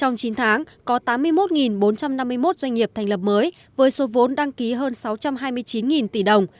trong chín tháng có tám mươi một bốn trăm năm mươi một doanh nghiệp thành lập mới với số vốn đăng ký hơn sáu trăm hai mươi chín tỷ đồng